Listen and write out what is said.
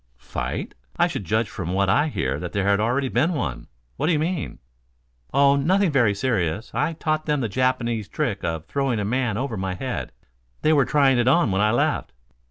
"Fight? I should judge from what I hear that there already has been one. What do you mean?" "Oh, nothing very serious. I taught them the Japanese trick of throwing a man over my head. They were trying it on when I left.